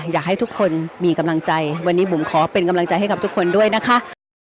อยากให้ทุกคนมีกำลังใจวันนี้บุ๋มขอเป็นกำลังใจให้กับทุกคนด้วยนะคะ